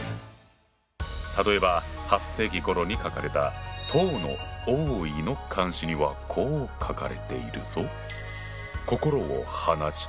例えば８世紀ごろに書かれた唐の王維の漢詩にはこう書かれているぞ。